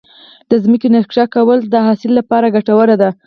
د ځمکې نقشه کول د حاصل لپاره ګټور دي.